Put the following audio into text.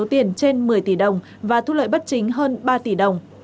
tiền trên một mươi tỷ đồng và thu lợi bất chính hơn ba tỷ đồng